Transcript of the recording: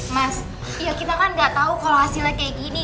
mas ya kita kan nggak tahu kalau hasilnya kayak gini